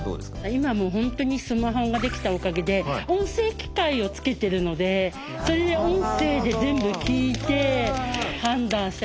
今もう本当にスマホができたおかげで音声機械をつけてるのでそれで音声で全部聞いて判断したり。